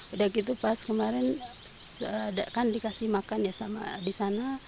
udah gitu pas kemarin kan dikasih makan ya sama di sana